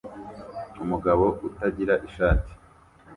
Umugabo utagira ishati